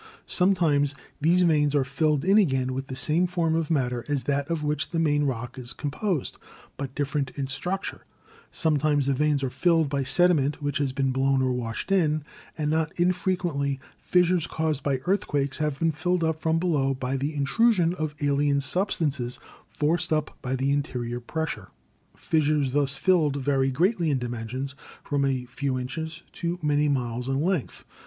Sometimes these veins are filled in again with the same form of matter as that of which the main rock is composed, but different in structure; sometimes the veins are filled by sediment which has been blown or washed in, and not infrequently fissures caused by earthquakes have been filled up from below by the intru sion of alien substances forced up by the interior pressure. Fissures thus filled vary greatly in dimensions, from a few inches to many miles in length.